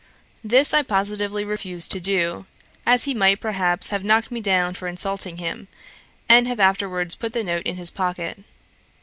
This I positively refused to do, as he might, perhaps, have knocked me down for insulting him, and have afterwards put the note in his pocket.